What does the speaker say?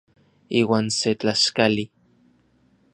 Iuan se tlaxkali.